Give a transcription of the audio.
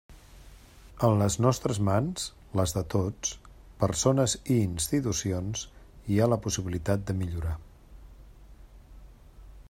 En les nostres mans, les de tots, persones i institucions, hi ha la possibilitat de millorar.